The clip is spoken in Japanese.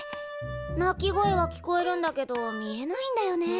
鳴き声は聞こえるんだけど見えないんだよね。